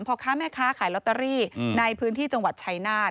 พ่อค้าแม่ค้าขายลอตเตอรี่ในพื้นที่จังหวัดชายนาฏ